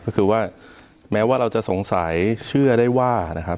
ก็คือว่าแม้ว่าเราจะสงสัยเชื่อได้ว่านะครับ